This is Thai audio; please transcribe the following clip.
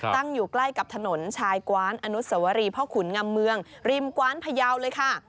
ตั้งอยู่ใกล้กับถนนชายกว้านอนุสวรีพ่อขุนงำเมืองริมกว้านพยาวเลยค่ะ